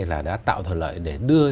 là đã tạo thỏa lợi để đưa